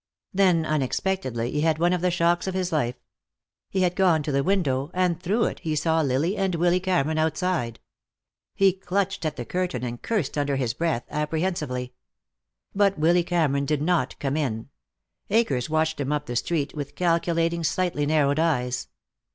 Then, unexpectedly, he had one of the shocks of his life. He had gone to the window and through it he saw Lily and Willy Cameron outside. He clutched at the curtain and cursed under his breath, apprehensively. But Willy Cameron did not come in; Akers watched him up the street with calculating, slightly narrowed eyes.